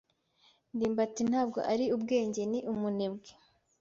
ndimbati ntabwo ari ubwenge. Ni umunebwe.